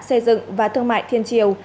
xây dựng và thương mại thiên triều